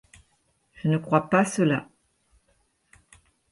Je ne crois pas cela.